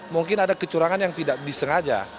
mungkin ada kecurangan yang tidak disengaja